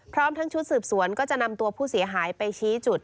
พร้อมทั้งชุดสืบสวนก็จะนำตัวผู้เสียหายไปชี้จุด